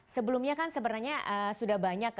sebelumnya kan sebenarnya sudah banyak